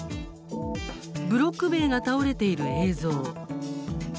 ブロック塀が倒れている映像。